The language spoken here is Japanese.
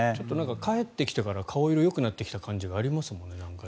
帰ってきてから顔色がよくなってきた感じがありますよね。